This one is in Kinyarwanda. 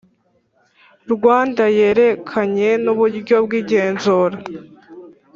Rwanda yerekeranye n uburyo bw igenzura